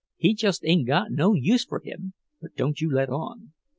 He just ain't got no use fur him, but don't you let on."